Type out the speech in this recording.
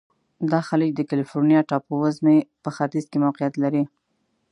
دا خلیج د کلفورنیا ټاپو وزمي په ختیځ کې موقعیت لري.